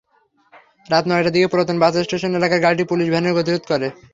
রাত নয়টার দিকে পুরাতন বাস স্টেশন এলাকায় গাড়িটি পুলিশ ভ্যানের গতিরোধ করে।